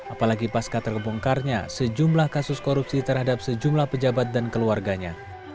apalagi pasca terbongkarnya sejumlah kasus korupsi terhadap sejumlah pejabat dan keluarganya